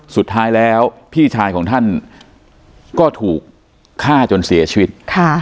สุดท้ายแล้วพี่ชายของท่านก็ถูกฆ่าจนเสียชีวิต